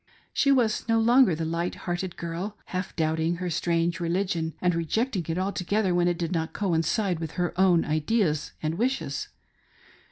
She was no longer the light hearted girl, half doubting her strange religion, and rejecting it altogether when it did not coincide with her own ideas and wishes.